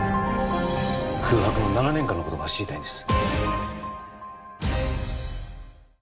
空白の７年間の事が知りたいんです。